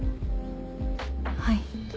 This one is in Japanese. はい。